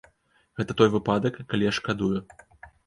Гэта той выпадак, калі я шкадую.